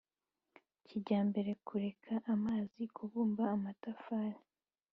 Kijyambere kureka amazi kubumba amatafari